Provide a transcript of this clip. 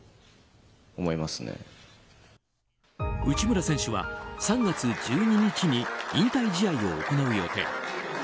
内村選手は３月１２日に引退試合を行う予定。